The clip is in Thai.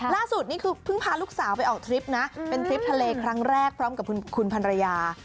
ล่าสุดนี่คือเพิ่งพาลูกสาวไปออกทริปนะเป็นทริปทะเลครั้งแรกพร้อมกับคุณพันรยา